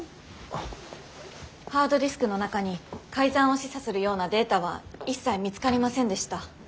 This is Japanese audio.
ハードディスクの中に改ざんを示唆するようなデータは一切見つかりませんでした。